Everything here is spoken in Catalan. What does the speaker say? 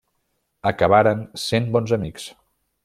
Acabaren sent bons amics.